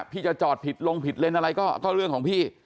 พี่จะจอดผิดลงผิดเลนอะไรก็เรื่องของพี่